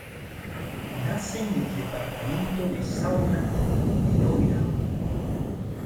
Nace en el departamento de Saona y Loira.